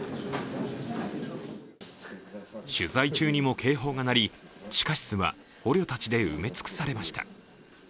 取材中にも警報が鳴り、地下室は捕虜たちで埋め尽くされました。